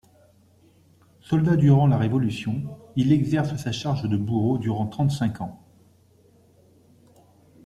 Soldat durant la Révolution, il exerce sa charge de bourreau durant trente-cinq ans.